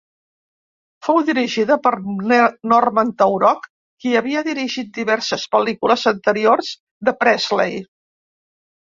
Fou dirigida per Norman Taurog, qui havia dirigit diverses pel·lícules anteriors de Presley.